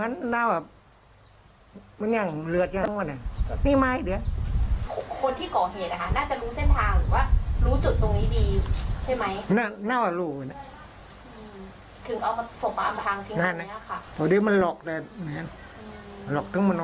ถ้าว่ามันถูกมันประจำยาวเมืองกัน